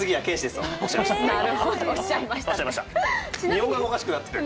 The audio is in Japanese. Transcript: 日本語がおかしくなってる。